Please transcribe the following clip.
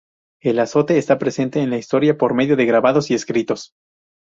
El azote está presente en la historia por medio de grabados y escritos.